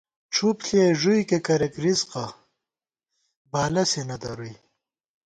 ڄُھپ ݪِیَئی ݫُوئیکےکریَک رِزِقہ ، بالہ سے نہ درُوئی